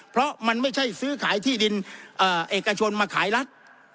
เพราะมันไม่ใช่ซื้อขายที่ดินเอกชนมาขายรัฐ